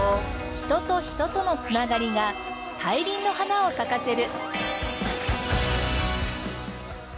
人と人との繋がりが大輪の花を咲かせる。